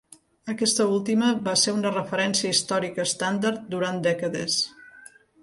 Aquesta última va ser una referència històrica estàndard durant dècades.